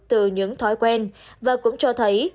từ những thói quen và cũng cho thấy